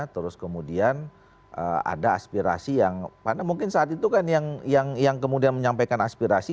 terus kemudian ada aspirasi yang mana mungkin saat itu kan yang kemudian menyampaikan aspirasi